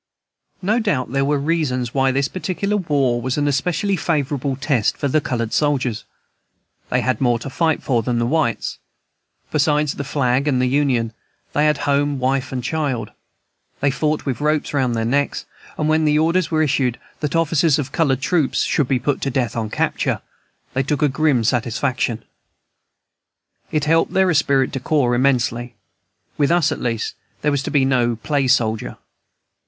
No doubt there were reasons why this particular war was an especially favorable test of the colored soldiers. They had more to fight for than the whites. Besides the flag and the Union, they had home and wife and child. They fought with ropes round their necks, and when orders were issued that the officers of colored troops should be put to death on capture, they took a grim satisfaction. It helped their esprit de corps immensely. With us, at least, there was to be no play soldier.